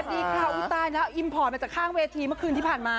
สวัสดีค่ะอุ้ยตายแล้วอิมพอร์ตมาจากข้างเวทีเมื่อคืนที่ผ่านมา